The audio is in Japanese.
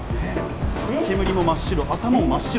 煙も真っ白、頭も真っ白。